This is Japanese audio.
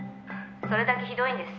それだけひどいんです」